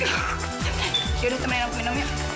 ya udah teman yang aku minum ayo